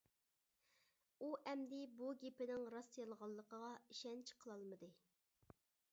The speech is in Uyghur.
ئۇ ئەمدى بۇ گېپىنىڭ راست-يالغانلىقىغا ئىشەنچ قىلالمىدى.